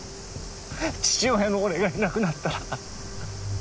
父親の俺がいなくなったらあの子は。